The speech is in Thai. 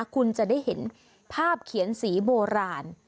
คุณจะได้เห็นภาพเขียนสีโบราณ